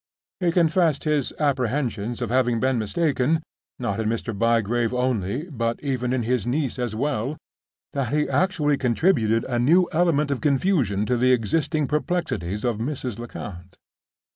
He confessed his apprehensions of having been mistaken, not in Mr. Bygrave only, but even in his niece as well, with such a genuine air of annoyance that he actually contributed a new element of confusion to the existing perplexities of Mrs. Lecount.